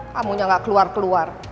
kamunya gak keluar keluar